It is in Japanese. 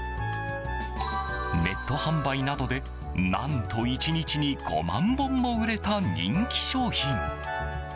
ネット販売などで、何と１日に５万本も売れた人気商品。